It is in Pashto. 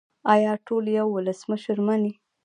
آیا ټول یو ولسمشر مني؟